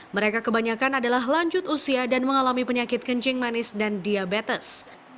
mereka kebanyakan adalah lanjut usia dan mengalami penyakit kencing manis dan diabetes